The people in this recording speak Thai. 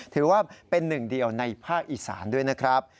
ถือว่าเป็นหนึ่งเดียวในภาคอีสานด้วยนะครับ